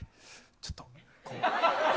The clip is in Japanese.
ちょっと、こう。